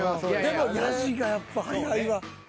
でも野次がやっぱ早いわ。